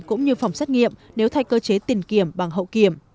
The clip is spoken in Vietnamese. cũng như phòng xét nghiệm nếu thay cơ chế tiền kiểm bằng hậu kiểm